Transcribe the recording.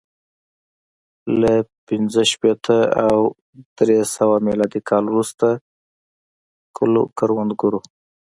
له پنځه شپېته او درې سوه میلادي کال وروسته کلو کروندګرو